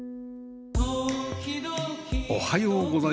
おはようございます。